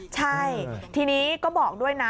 ใช่ทีนี้ก็บอกด้วยนะ